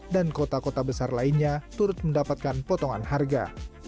dan kota kota besar lainnya turut mendapatkan potongan harga